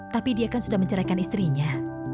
tapi dia kan sudah menceraikan istrinya